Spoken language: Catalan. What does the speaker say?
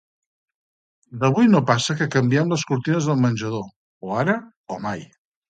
D'avui no passa que canviem les cortines del menjador. O ara o mai.